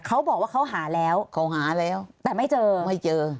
เขาบอกว่าเขาหาแล้วเขาหาแล้วแต่ไม่เจอไม่เจอ